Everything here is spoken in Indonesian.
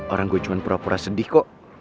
orang gue cuma pura pura sedih kok